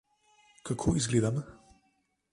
Kako izgledam?